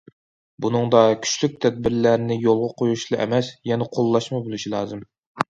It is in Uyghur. بۇنىڭدا كۈچلۈك تەدبىرلەرنى يولغا قويۇشلا ئەمەس، يەنە قوللاشمۇ بولۇشى لازىم.